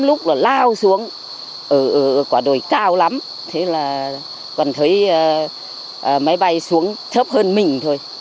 lúc là lao xuống quả đồi cao lắm còn thấy máy bay xuống thấp hơn mình thôi